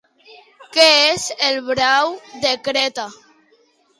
Què és el Brau de Creta?